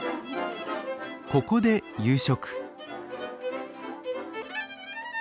ここで夕食。